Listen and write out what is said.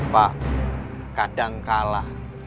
pak kadang kalah